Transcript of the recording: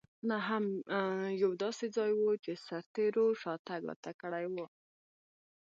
نه هم یو داسې ځای و چې سرتېرو شاتګ ورته کړی وای.